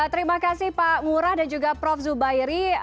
terima kasih pak ngurah dan juga prof zubairi